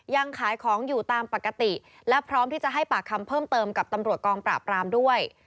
ยังขายของอยู่ตามปกติและพร้อมที่จะให้ปากคำเพิ่มเติมกับตำรวจกองปราบรามด้วย